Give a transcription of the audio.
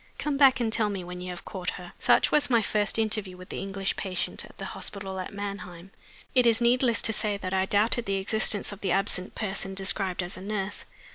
"Come back and tell me when you have caught her." Such was my first interview with the English patient at the hospital at Mannheim. It is needless to say that I doubted the existence of the absent person described as a nurse.